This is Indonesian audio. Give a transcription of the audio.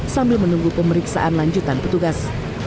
sambil menunggu pemeriksaan lanjutan petugas